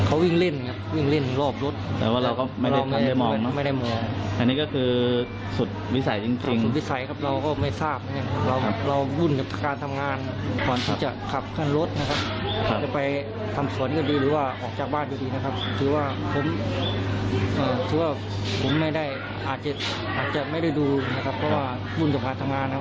อาจจะไม่ได้ดูนะครับเพราะว่าบุญสมัครทำงานนะครับ